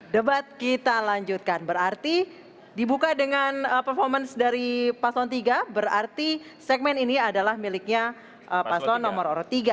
debat kita lanjutkan berarti dibuka dengan performance dari paslon tiga berarti segmen ini adalah miliknya paslon nomor tiga